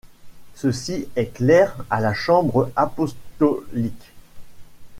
Cesi est clerc à la chambre apostolique.